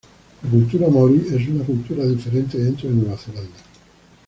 La cultura maorí es una cultura diferente dentro de Nueva Zelanda.